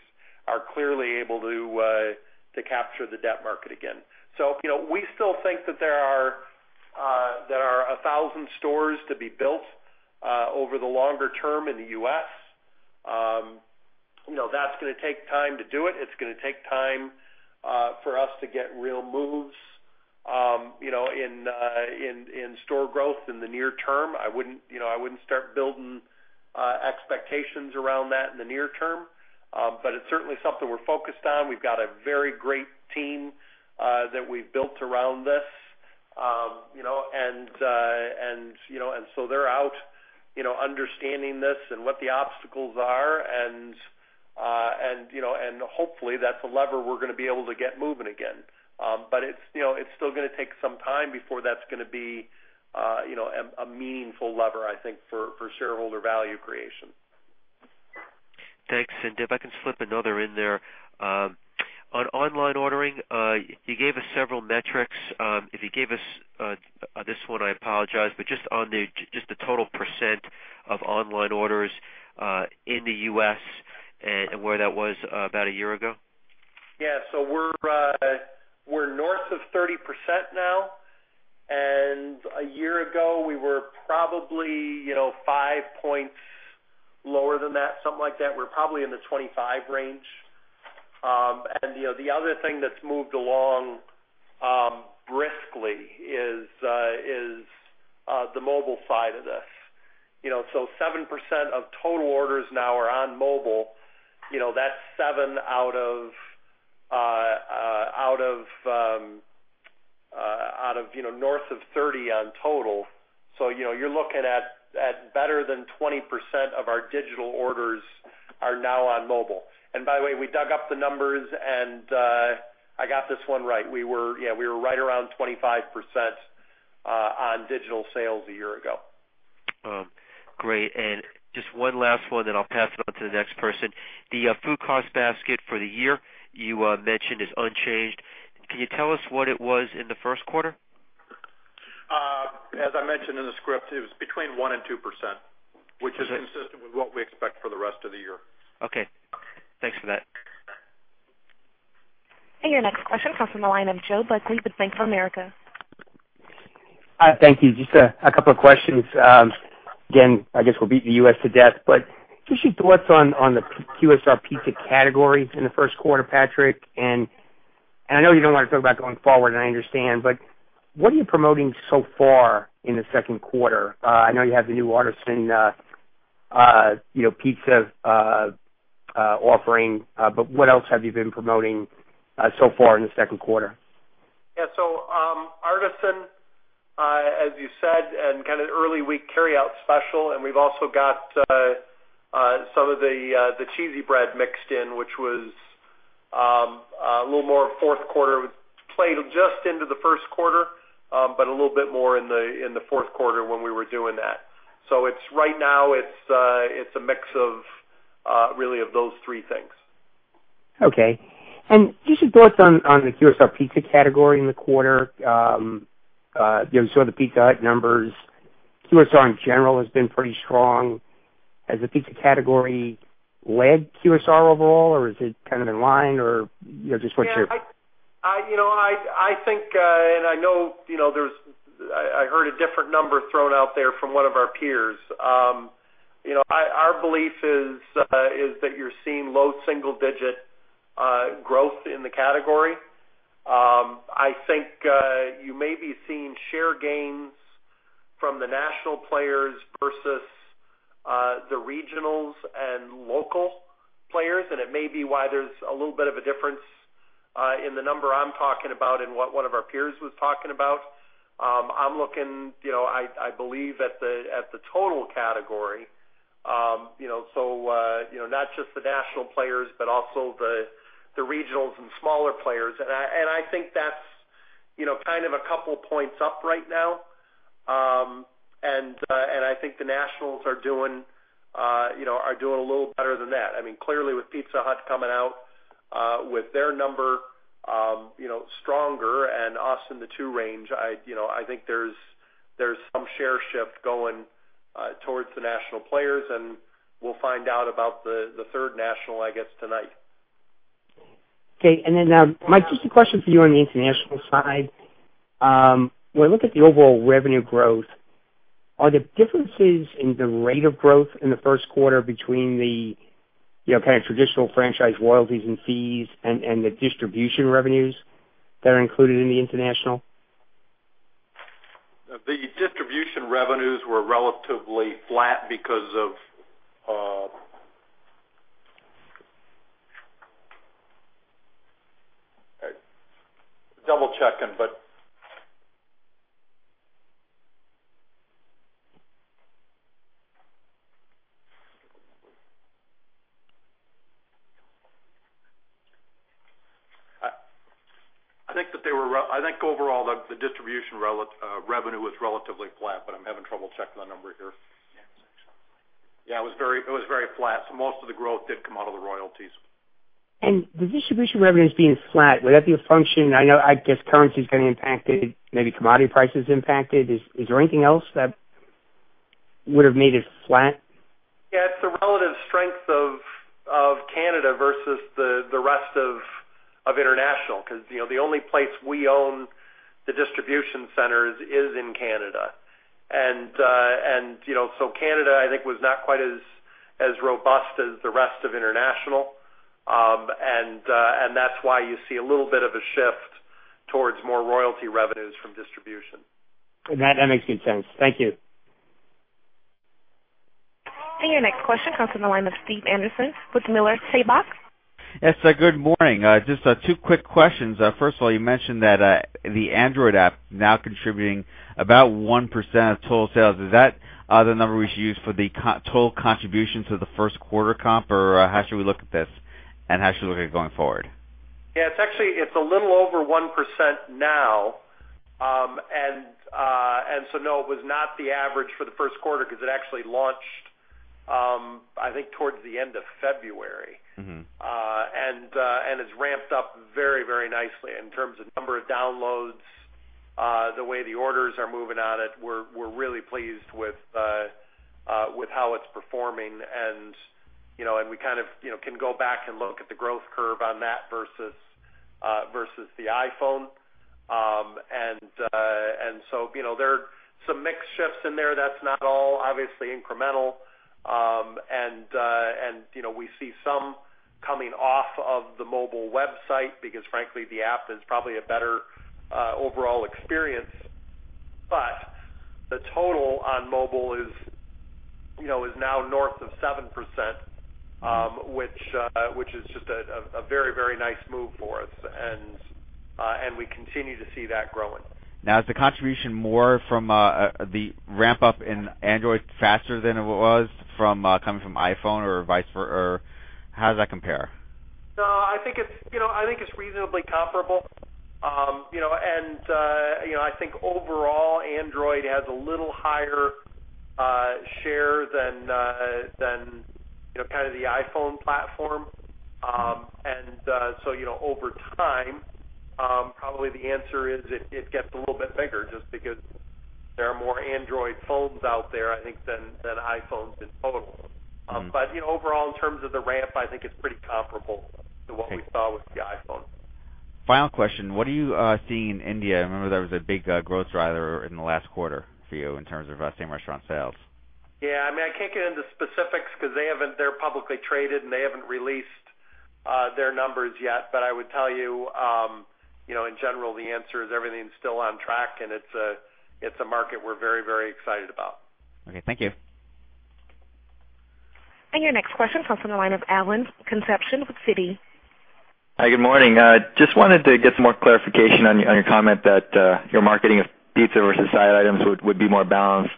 are clearly able to capture the debt market again. We still think that there are 1,000 stores to be built over the longer term in the U.S. That's going to take time to do it. It's going to take time for us to get real moves in store growth in the near term. I wouldn't start building expectations around that in the near term. It's certainly something we're focused on. We've got a very great team that we've built around this. They're out understanding this and what the obstacles are. Hopefully, that's a lever we're going to be able to get moving again. It's still going to take some time before that's going to be a meaningful lever, I think, for shareholder value creation. Thanks. If I can slip another in there. Online ordering, you gave us several metrics. If you gave us this one, I apologize, but just the total % of online orders in the U.S. and where that was about a year ago. We're north of 30% now, and a year ago, we were probably five points lower than that, something like that. We're probably in the 25 range. The other thing that's moved along briskly is the mobile side of this. 7% of total orders now are on mobile. That's seven out of north of 30 on total. You're looking at better than 20% of our digital orders are now on mobile. By the way, we dug up the numbers, and I got this one right. We were right around 25% on digital sales a year ago. Great. Just one last one, then I'll pass it on to the next person. The food cost basket for the year, you mentioned, is unchanged. Can you tell us what it was in the first quarter? As I mentioned in the script, it was between 1% and 2%, which is consistent with what we expect for the rest of the year. Okay. Thanks for that. Your next question comes from the line of Joseph Buckley with Bank of America. Thank you. Just a couple of questions. Again, I guess we'll beat the U.S. to death, but just your thoughts on the QSR pizza categories in the first quarter, Patrick. I know you don't want to talk about going forward, and I understand, but what are you promoting so far in the second quarter? I know you have the new Artisan Pizza offering, what else have you been promoting so far in the second quarter? Yeah. Artisan, as you said, and kind of early week carryout special, and we've also got some of the Cheesy Bread mixed in, which was a little more fourth quarter. It played just into the first quarter, but a little bit more in the fourth quarter when we were doing that. Right now, it's a mix of really of those three things. Okay. Just your thoughts on the QSR pizza category in the quarter. We saw the Pizza Hut numbers. QSR, in general, has been pretty strong. Has the pizza category led QSR overall, or is it kind of in line? Or just what's your- Yeah. I think, I heard a different number thrown out there from one of our peers. Our belief is that you're seeing low single-digit growth in the category. I think you may be seeing share gains from the national players versus the regionals and local players, it may be why there's a little bit of a difference in the number I'm talking about and what one of our peers was talking about. I believe at the total category, not just the national players, but also the regionals and smaller players. I think that's kind of a couple points up right now, and I think the nationals are doing a little better than that. Clearly, with Pizza Hut coming out with their number stronger us in the two range, I think there's some share shift going towards the national players, we'll find out about the third national, I guess, tonight. Okay. Then, Mike, just a question for you on the international side. When I look at the overall revenue growth, are there differences in the rate of growth in the first quarter between the kind of traditional franchise royalties and fees and the distribution revenues that are included in the international? The distribution revenues were relatively flat. I think overall, the distribution revenue was relatively flat, but I'm having trouble checking that number here. Yeah, it was very flat. Most of the growth did come out of the royalties. The distribution revenues being flat, would that be a function, I guess currency's getting impacted, maybe commodity price is impacted. Is there anything else that would have made it flat? Yeah, it's the relative strength of Canada versus the rest of international, because the only place we own the distribution centers is in Canada. Canada, I think, was not quite as robust as the rest of international. That's why you see a little bit of a shift towards more royalty revenues from distribution. That makes good sense. Thank you. Your next question comes from the line of Stephen Anderson with Miller Tabak + Co. Yes, good morning. Just two quick questions. First of all, you mentioned that the Android app now contributing about 1% of total sales. Is that the number we should use for the total contributions for the first quarter comp, or how should we look at this, and how should we look at it going forward? Yeah, it's a little over 1% now. No, it was not the average for the first quarter because it actually launched, I think, towards the end of February. It's ramped up very nicely in terms of number of downloads, the way the orders are moving on it. We're really pleased with how it's performing, and we kind of can go back and look at the growth curve on that versus the iPhone. There are some mix shifts in there that's not all obviously incremental, and we see some coming off of the mobile website because frankly, the app is probably a better overall experience. The total on mobile is now north of 7%, which is just a very nice move for us. We continue to see that growing. Is the contribution more from the ramp-up in Android faster than it was from coming from iPhone or vice versa? How does that compare? I think it's reasonably comparable. I think overall Android has a little higher share than kind of the iPhone platform. Over time, probably the answer is it gets a little bit bigger just because there are more Android phones out there, I think, than iPhones in total. Overall, in terms of the ramp, I think it's pretty comparable to what we saw with the iPhone. Final question, what are you seeing in India? I remember there was a big growth driver in the last quarter for you in terms of same restaurant sales. Yeah. I can't get into specifics because they're publicly traded, and they haven't released their numbers yet. I would tell you, in general, the answer is everything's still on track, and it's a market we're very excited about. Okay, thank you. Your next question comes from the line of Alain Concepcion with Citi. Hi, good morning. Just wanted to get some more clarification on your comment that your marketing of pizza versus side items would be more balanced.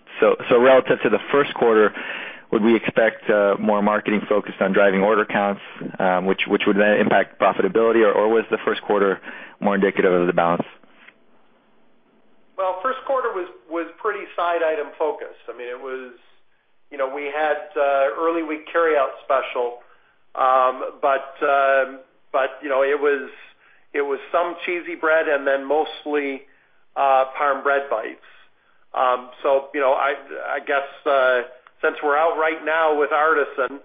Relative to the first quarter, would we expect more marketing focused on driving order counts, which would then impact profitability, or was the first quarter more indicative of the balance? Well, first quarter was pretty side item focused. We had early week carryout special, but it was some cheesy bread and then mostly Parm bread bites. I guess since we're out right now with Artisan,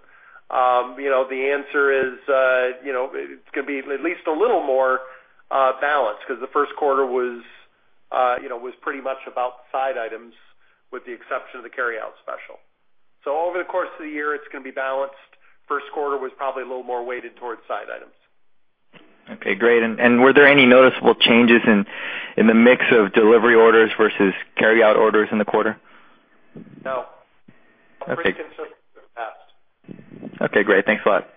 the answer is, it's going to be at least a little more balanced because the first quarter was pretty much about side items, with the exception of the carryout special. Over the course of the year, it's going to be balanced. First quarter was probably a little more weighted towards side items. Okay, great. Were there any noticeable changes in the mix of delivery orders versus carryout orders in the quarter? No. Okay. Pretty consistent with the past. Okay, great. Thanks a lot.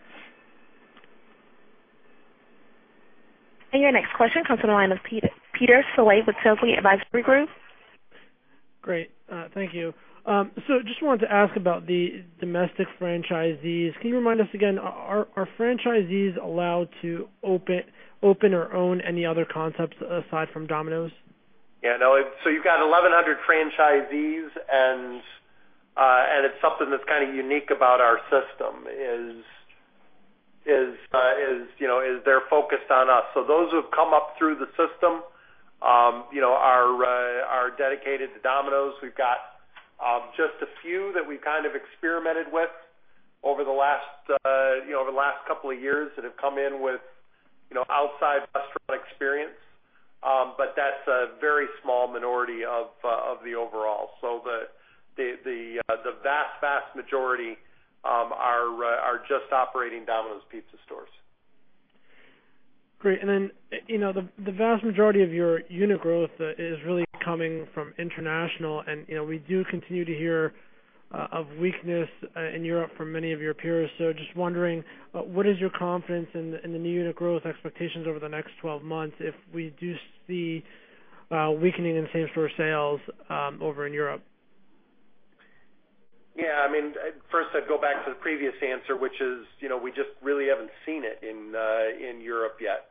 Your next question comes from the line of Peter Saleh with Cowen and Company. Great. Thank you. Just wanted to ask about the domestic franchisees. Can you remind us again, are franchisees allowed to open or own any other concepts aside from Domino's? Yeah. You've got 1,100 franchisees, and it's something that's kind of unique about our system, is they're focused on us. Those who've come up through the system are dedicated to Domino's. We've got just a few that we've kind of experimented with over the last couple of years that have come in with outside restaurant experience. That's a very small minority of the overall. The vast majority are just operating Domino's Pizza stores. Great. The vast majority of your unit growth is really coming from international, and we do continue to hear of weakness in Europe from many of your peers. Just wondering, what is your confidence in the new unit growth expectations over the next 12 months if we do see a weakening in same store sales over in Europe? Yeah. First I'd go back to the previous answer, which is, we just really haven't seen it in Europe yet.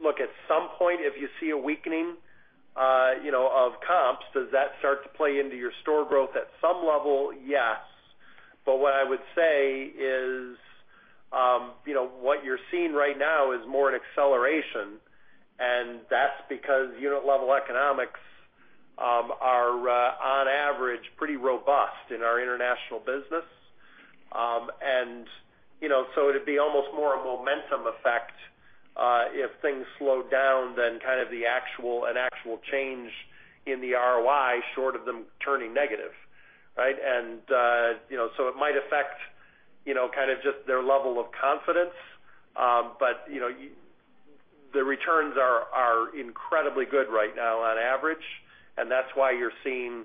Look, at some point, if you see a weakening of comps, does that start to play into your store growth? At some level, yes. What I would say is, what you're seeing right now is more an acceleration, and that's because unit-level economics are on average, pretty robust in our international business. It'd be almost more a momentum effect, if things slowed down than kind of an actual change in the ROI, short of them turning negative, right? It might affect kind of just their level of confidence, but The returns are incredibly good right now on average, and that's why you're seeing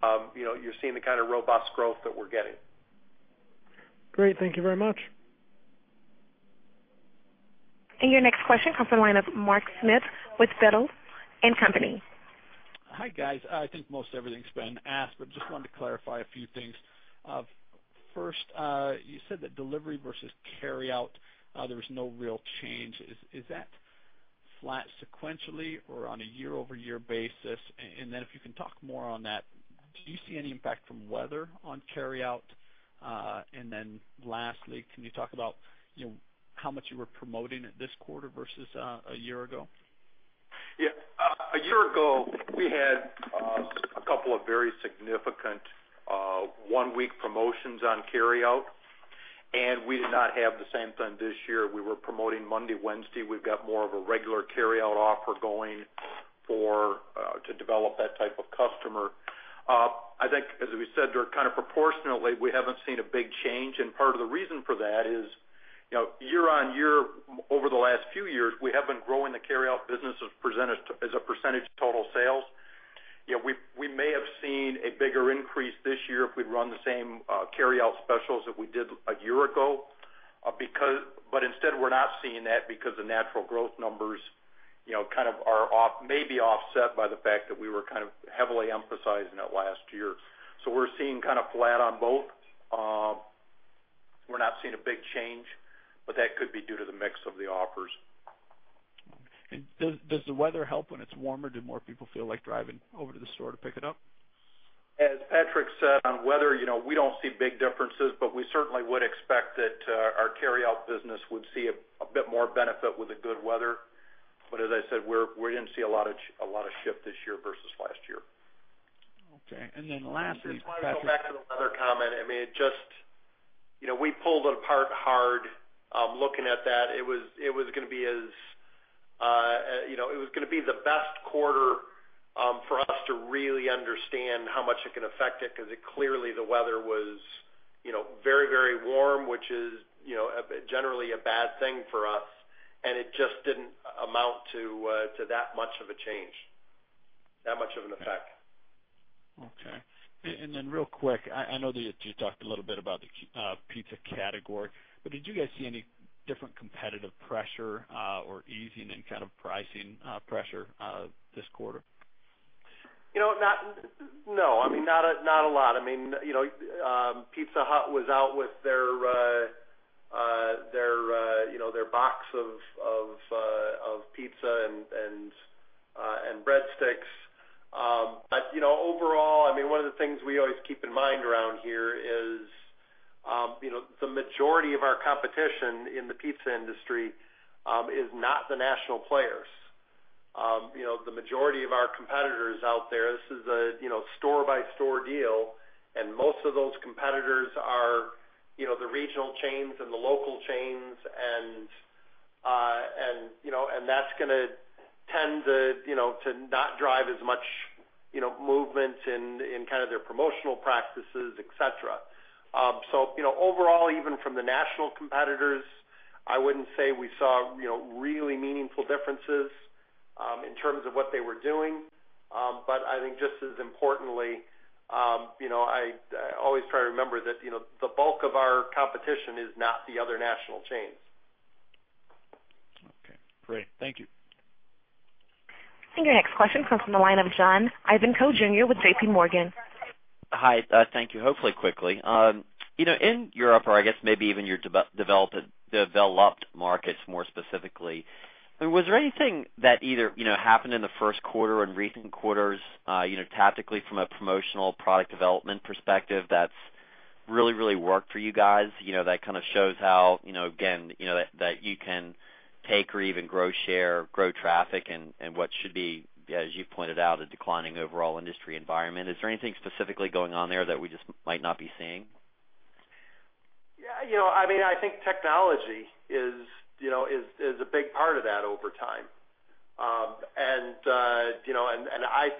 the kind of robust growth that we're getting. Great. Thank you very much. Your next question comes from the line of Mark Smith with Feltl and Company. Hi, guys. I think most everything's been asked, but just wanted to clarify a few things. First, you said that delivery versus carryout there was no real change. Is that flat sequentially or on a year-over-year basis? If you can talk more on that, do you see any impact from weather on carryout? Lastly, can you talk about how much you were promoting it this quarter versus a year ago? Yeah. A year ago, we had a couple of very significant one-week promotions on carryout, and we did not have the same thing this year. We were promoting Monday, Wednesday. We've got more of a regular carryout offer going to develop that type of customer. I think, as we said, kind of proportionately, we haven't seen a big change, and part of the reason for that is year-on-year, over the last few years, we have been growing the carryout business as a percentage of total sales. We may have seen a bigger increase this year if we'd run the same carryout specials that we did a year ago. Instead, we're not seeing that because the natural growth numbers maybe offset by the fact that we were heavily emphasizing it last year. We're seeing kind of flat on both. We're not seeing a big change, but that could be due to the mix of the offers. Does the weather help when it's warmer? Do more people feel like driving over to the store to pick it up? As Patrick said on weather, we don't see big differences, but we certainly would expect that our carryout business would see a bit more benefit with the good weather. As I said, we didn't see a lot of shift this year versus last year. Okay, lastly. Just want to go back to the weather comment. We pulled it apart hard looking at that. It was going to be the best quarter for us to really understand how much it can affect it, because clearly the weather was very warm, which is generally a bad thing for us, and it just didn't amount to that much of a change, that much of an effect. Okay. Real quick, I know that you talked a little bit about the pizza category, did you guys see any different competitive pressure or easing in kind of pricing pressure this quarter? No, not a lot. Pizza Hut was out with their box of pizza and breadsticks. Overall, one of the things we always keep in mind around here is the majority of our competition in the pizza industry is not the national players. The majority of our competitors out there, this is a store-by-store deal, and most of those competitors are the regional chains and the local chains, and that's going to tend to not drive as much movement in their promotional practices, et cetera. Overall, even from the national competitors, I wouldn't say we saw really meaningful differences in terms of what they were doing. I think just as importantly, I always try to remember that the bulk of our competition is not the other national chains. Okay, great. Thank you. Your next question comes from the line of John Ivankoe Jr. with JPMorgan. Hi. Thank you. Hopefully quickly. In Europe, or I guess maybe even your developed markets more specifically, was there anything that either happened in the first quarter and recent quarters tactically from a promotional product development perspective that's really worked for you guys that kind of shows how, again, that you can take or even grow share, grow traffic in what should be, as you pointed out, a declining overall industry environment? Is there anything specifically going on there that we just might not be seeing? Yeah. I think technology is a big part of that over time. I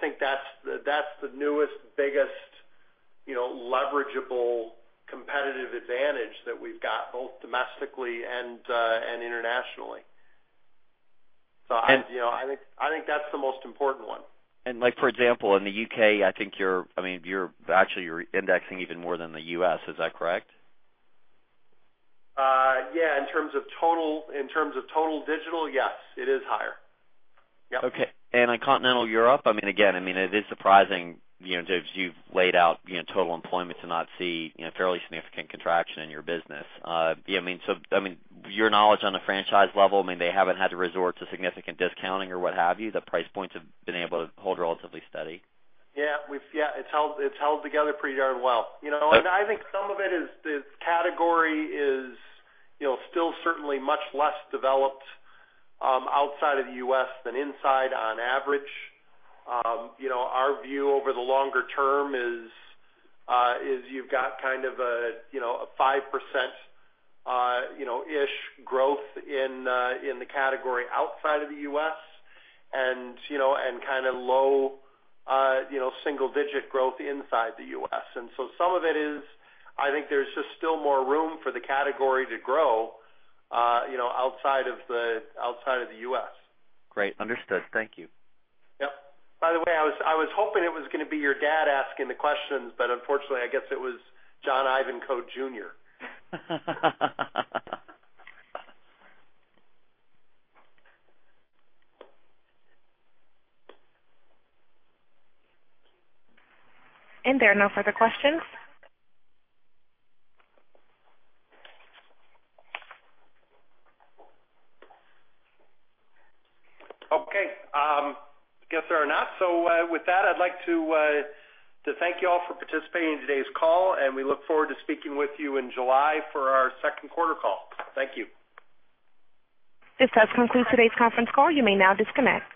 think that's the newest, biggest leverageable competitive advantage that we've got, both domestically and internationally. I think that's the most important one. Like, for example, in the U.K., I think you're actually indexing even more than the U.S., is that correct? Yeah, in terms of total digital, yes, it is higher. Yep. Okay. In continental Europe, again, it is surprising, Dave, as you've laid out total employment to not see fairly significant contraction in your business. Your knowledge on the franchise level, they haven't had to resort to significant discounting or what have you? The price points have been able to hold relatively steady? Yeah. It's held together pretty darn well. I think some of it is this category is still certainly much less developed outside of the U.S. than inside on average. Our view over the longer term is you've got kind of a 5%-ish growth in the category outside of the U.S. and kind of low single-digit growth inside the U.S. Some of it is, I think there's just still more room for the category to grow outside of the U.S. Great. Understood. Thank you. Yep. By the way, I was hoping it was going to be your dad asking the questions, unfortunately, I guess it was John Ivankoe Jr. There are no further questions. With that, I'd like to thank you all for participating in today's call, and we look forward to speaking with you in July for our second quarter call. Thank you. This does conclude today's conference call. You may now disconnect.